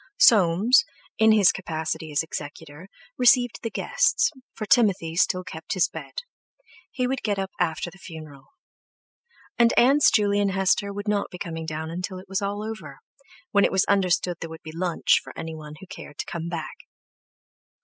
Soames, in his capacity of executor, received the guests, for Timothy still kept his bed; he would get up after the funeral; and Aunts Juley and Hester would not be coming down till all was over, when it was understood there would be lunch for anyone who cared to come back.